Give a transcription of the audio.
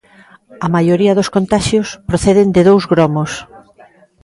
A maioría dos contaxios proceden de dous gromos.